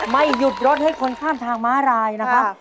ไม่หยุดรถให้คนข้ามทางม้ารายนะครับ